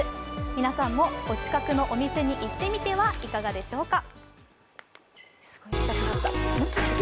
皆さんもお近くのお店にいってみてはいかがですか？